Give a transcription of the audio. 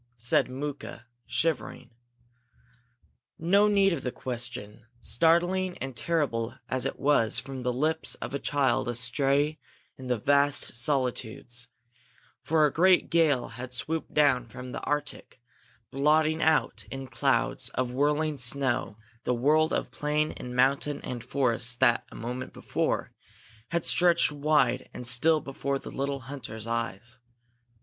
said Mooka, shivering. No need of the question, startling and terrible as it was from the lips of a child astray in the vast solitudes; for a great gale had swooped down from the Arctic, blotting out in clouds of whirling snow the world of plain and mountain and forest that, a moment before, had stretched wide and still before the little hunters' eyes.